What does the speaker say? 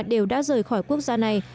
đều đã rời khỏi quốc gia này